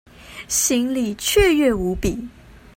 心裡雀躍無比